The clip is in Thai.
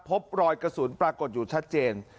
พบรอยกระสุนปรากฏอยู่ชัดเจน